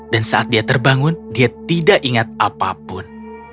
dan saat dia terbangun dia tidak ingat apapun